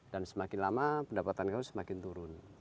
dan semakin lama pendapatan kayu semakin turun